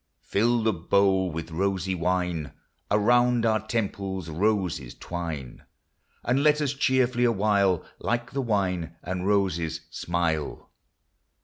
Fill the bowl with rosy wine ! Around our temples roses twine ! And let us cheerfully awhile, Like the wine and roses, smile.